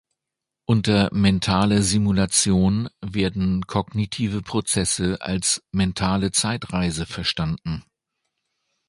Unter mentale Simulation werden kognitive Prozesse als „mentale Zeitreise“ verstanden.